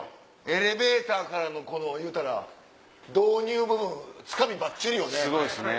エレベーターからのこのいうたら導入部分つかみばっちりよね。